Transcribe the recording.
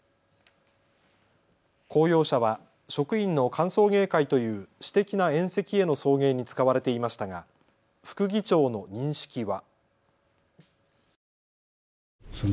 公用車は職員の歓送迎会という私的な宴席への送迎に使われていましたが副議長の認識は。